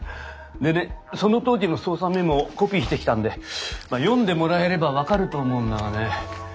でねその当時の捜査メモをコピーしてきたんでまっ読んでもらえれば分かると思うんだがね。